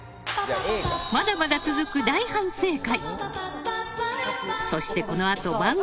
まだまだ続く大反省会。